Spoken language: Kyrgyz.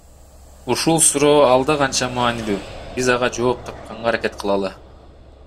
Ушул суроо алда канча маанилүү, биз ага жооп тапканга аракет кылалы.